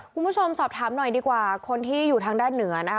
คุณผู้ชมสอบถามหน่อยดีกว่าคนที่อยู่ทางด้านเหนือนะคะ